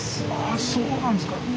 あそうなんですか。